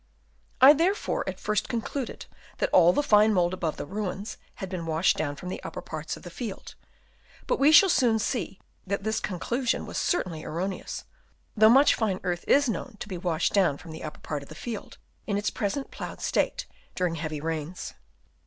I therefore at first concluded that all the fine mould above the ruins had been washed down from the upper parts of the field ; but we shall soon see that this conclu sion was certainly erroneous, though much fine earth is known to be washed down from the upper part of the field in its present ploughed state during heavy rains.